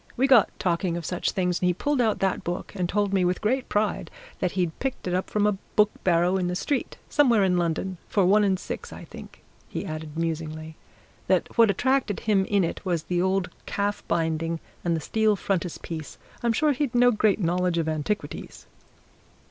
We got talking of such things, and he pulled out that book, and told me with great pride, that he'd picked it up from a book barrow in the street, somewhere in London, for one and six. I think," he added musingly, "that what attracted him in it was the old calf binding and the steel frontispiece I'm sure he'd no great knowledge of antiquities."